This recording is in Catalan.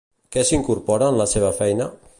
Què s'incorpora en la seva feina?